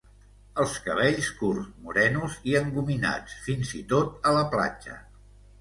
Els cabells curts, morenos i engominats, fins i tot a la platja.